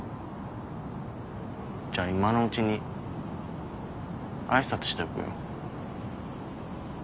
じゃあ今のうちに挨拶しておくよ。